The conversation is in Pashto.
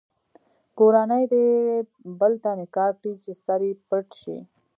کورنۍ دې بل ته نکاح کړي چې سر یې پټ شي.